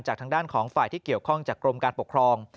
ทางด้านของฝ่ายที่เกี่ยวข้องจากกรมการปกครอง